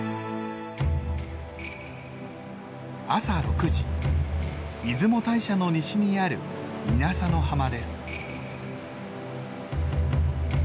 朝６時出雲大社の西にある稲佐の浜です。